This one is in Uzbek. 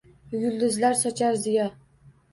Yulduzlar sochar ziyo.